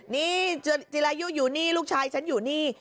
นี่จิรายุอยู่นี่ลูกชายฉันอยู่นี่